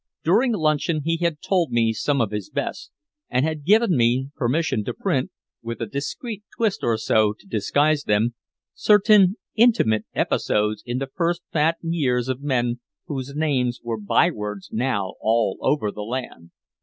During luncheon he had told some of his best, and had given me permission to print, with a discreet twist or so to disguise them, certain intimate episodes in the first fat years of men whose names were by words now all over the land.